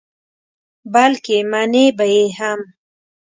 بلکې منې به یې هم.